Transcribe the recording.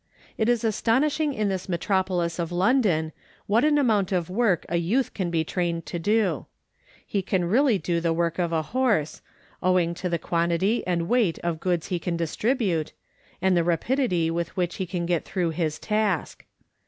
It is astonishing in this metropolis of London what an amount of work a youth can be trained to do. He can really do the work of a WHAT TO AVOID IN CYCLING. 183 horse, owing to the quantity and weight of goods he can distribute, and the rapidity with which he can get through his task.